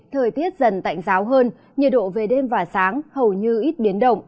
thời tiết dần tạnh giáo hơn nhiệt độ về đêm và sáng hầu như ít biến động